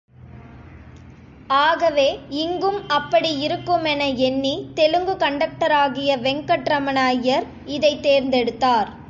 ஆகவே இங்கும் அப்படி இருக்குமென எண்ணி தெலுங்கு கண்டக்டராகிய வெங்கட்ரமண ஐயர், இதைத் தேர்ந்தெடுத்தார்.